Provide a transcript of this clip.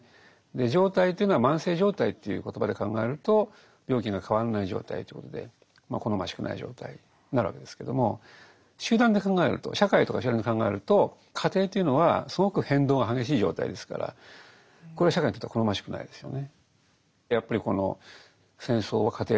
状態というのは慢性状態という言葉で考えると病気が変わらない状態ということで好ましくない状態になるわけですけども集団で考えると社会とか集団で考えると過程というのはすごく変動が激しい状態ですからこれは社会にとっては好ましくないですよね。